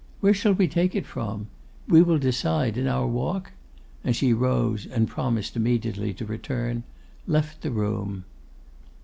Where shall we take it from? We will decide in our walk?' and she rose, and promised immediately to return, left the room.